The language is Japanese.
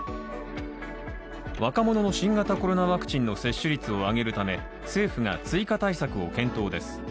若者の新型コロナワクチンの接種率を上げるため政府が追加対策を検討です。